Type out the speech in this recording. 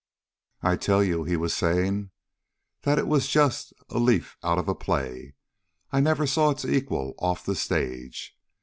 "I tell you," he was saying, "that it was just a leaf out of a play. I never saw its equal off the stage.